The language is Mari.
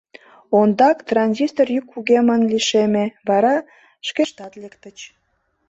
Ондак транзистор йӱк кугемын лишеме, вара шкештат лектыч.